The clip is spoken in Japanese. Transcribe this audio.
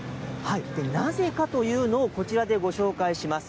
なぜかというのをこちらでご紹介します。